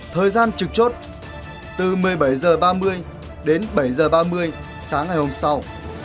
thời gian trực chốt từ một mươi bảy h ba mươi đến bảy h ba mươi sáng ngày hôm sau